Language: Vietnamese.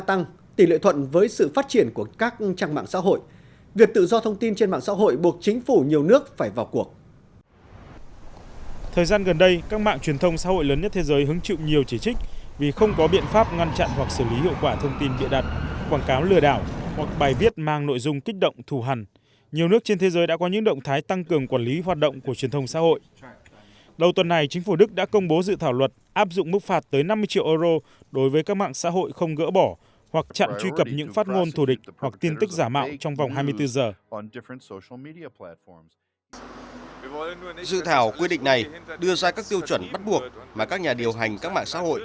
dự thảo quyết định này đưa ra các tiêu chuẩn bắt buộc mà các nhà điều hành các mạng xã hội phải xử lý các khiếu nại và buộc phải xóa các nội dung mang tính tội phạm